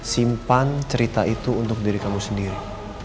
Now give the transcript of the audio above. simpan cerita itu untuk diri kamu sendiri